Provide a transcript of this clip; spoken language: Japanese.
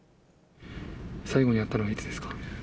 最後に会ったのはいつですか。